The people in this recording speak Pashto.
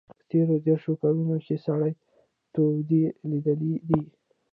په تېرو دېرشو کلونو کې سړې تودې لیدلي دي.